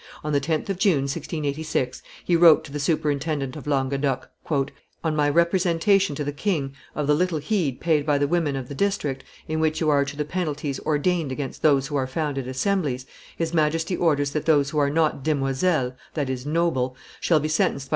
On the 10th of June, 1686, he wrote to the superintendent of Languedoc, "On my representation to the king of the little heed paid by the women of the district in which you are to the penalties ordained against those who are found at assemblies, his Majesty orders that those who are not demoiselles (that is, noble) shall be sentenced by M.